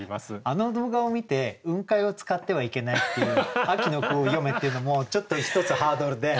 あの動画を観て「雲海」を使ってはいけないっていう秋の句を詠めっていうのもちょっと一つハードルで。